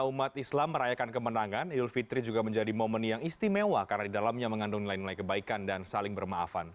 umat islam merayakan kemenangan idul fitri juga menjadi momen yang istimewa karena di dalamnya mengandung nilai nilai kebaikan dan saling bermaafan